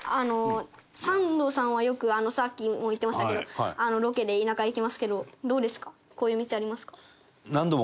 サンドさんはよくさっきも言ってましたけどロケで田舎行きますけどどうですか？